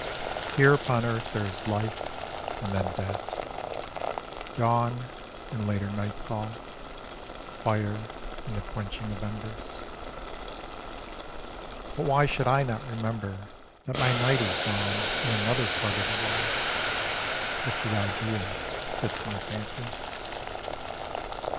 Here upon earth there is life, and then death, Dawn, and later nightfall, Fire, and the quenching of embers: But why should I not remember that my night is dawn in another part of the world, If the idea fits my fancy?